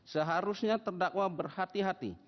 seharusnya terdakwa berhati hati